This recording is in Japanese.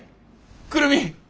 久留美！